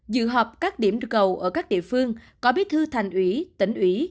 dự họp các điểm cầu ở các địa phương có bí thư thành ủy tỉnh ủy